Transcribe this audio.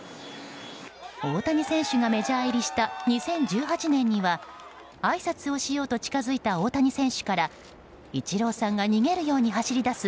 大谷選手がメジャー入りした２０１８年にはあいさつをしようと近づいた大谷選手からイチローさんが逃げるように走り出す